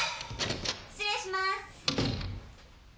失礼します。